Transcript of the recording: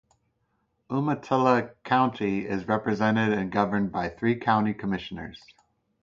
Umatilla County is represented and governed by three County Commissioners.